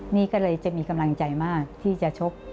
นี่ก็เลยจะมีกำลังใจมากที่จะชก